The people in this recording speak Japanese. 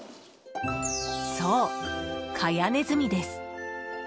そう、カヤネズミです。